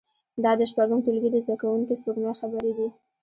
دا د شپږم ټولګي د زده کوونکې سپوږمۍ خبرې دي